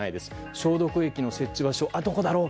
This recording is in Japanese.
消毒液の設置場所はどこだろう。